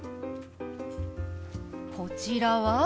こちらは？